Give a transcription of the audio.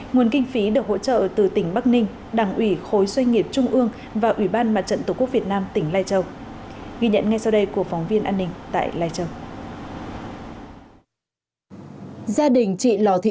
nguồn kinh phí được hỗ trợ từ tỉnh bắc ninh đảng ủy khối xoay nghiệt